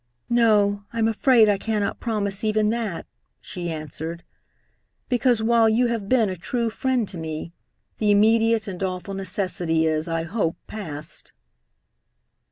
"No, I'm afraid I cannot promise even that," she answered, "because, while you have been a true friend to me, the immediate and awful necessity is, I hope, past."